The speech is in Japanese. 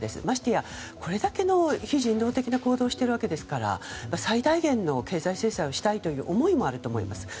ましてやこれだけの非人道的なことをしているわけですから最大限の経済制裁をしたいという思いもあると思います。